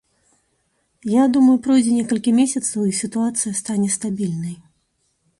Я думаю, пройдзе некалькі месяцаў і сітуацыя стане стабільнай.